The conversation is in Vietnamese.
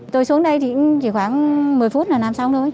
tôi xuống đây thì chỉ khoảng một mươi phút là làm xong thôi